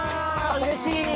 うれしい！